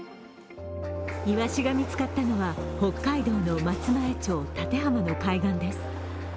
いわしが見つかったのは、北海道の松前町館浜の海岸です。